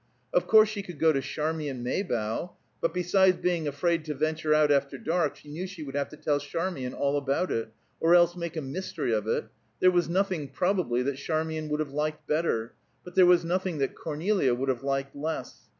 Of course she could go to Charmian Maybough; but besides bring afraid to venture out after dark, she knew she would have to tell Charmian all about it; or else make a mystery of it; there was nothing, probably, that Charmian would have liked better, but there was nothing that Cornelia would have liked less.